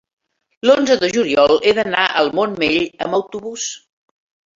l'onze de juliol he d'anar al Montmell amb autobús.